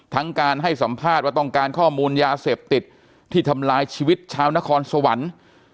การให้สัมภาษณ์ว่าต้องการข้อมูลยาเสพติดที่ทำลายชีวิตชาวนครสวรรค์